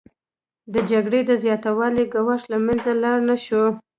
د جګړې د زیاتوالي ګواښ له منځه لاړ نشو